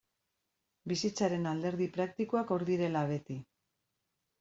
Bizitzaren alderdi praktikoak hor direla beti.